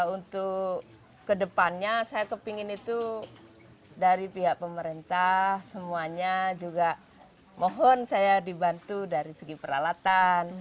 untuk kedepannya saya kepingin itu dari pihak pemerintah semuanya juga mohon saya dibantu dari segi peralatan